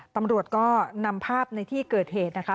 ตำรวจก็นำภาพในที่เกิดเหตุนะคะ